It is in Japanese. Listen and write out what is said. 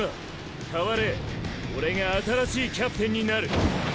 代われオレが新しいキャプテンになる。